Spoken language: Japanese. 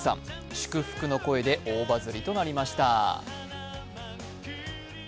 祝福の声で大バズりとなりました。